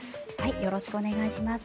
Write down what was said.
よろしくお願いします。